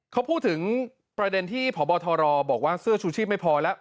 เขาพูดถึงประเด็นที่พบทรบอกว่าเสื้อชูชีพไม่พอแล้ว